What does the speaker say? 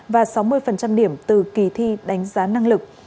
và sáu mươi điểm từ kỳ thi đánh giá năng lực